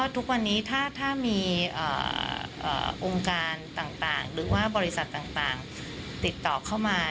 ทุกวันนี้ถ้ามีองค์การต่างหรือว่าบริษัทต่างติดต่อเข้ามา